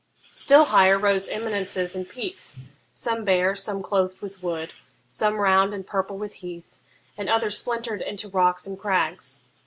Still higher rose eminences and peaks, some bare, some clothed with wood, some round and purple with heath, and others splintered into rocks and crags.